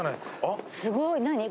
すごい何？